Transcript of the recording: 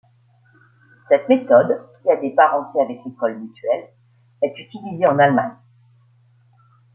Cette méthode, qui a des parentés avec l'école mutuelle, est utilisée en Allemagne.